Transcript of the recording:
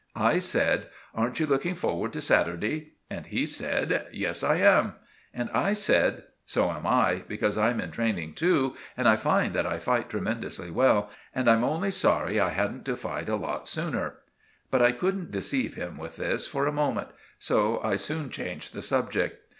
I said— "Aren't you looking forward to Saturday?" And he said— "Yes, I am." And I said— "So am I, because I'm in training too; and I find that I fight tremendously well, and I'm only sorry I hadn't to fight a lot sooner." But I couldn't deceive him with this, for a moment; so I soon changed the subject.